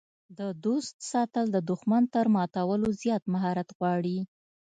د دوست ساتل د دښمن تر ماتولو زیات مهارت غواړي.